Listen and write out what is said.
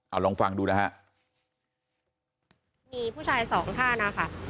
เอาลองฟังดูนะฮะมีผู้ชายสองท่านนะคะ